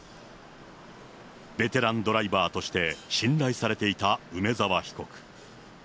ベテランドライバーとして、信頼されていた梅沢被告。